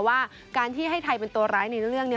ว่าการที่ให้ไทยเป็นตัวร้ายในเรื่องนี้